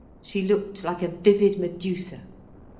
She looked like a vivid Medusa.